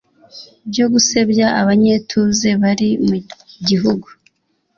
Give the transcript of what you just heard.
byo gusebya abanyetuze bari mu gihugu